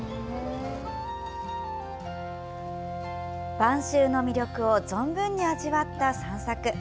晩秋の魅力を存分に味わった散策。